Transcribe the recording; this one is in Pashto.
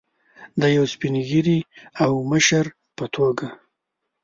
د یو سپین ږیري او مشر په توګه.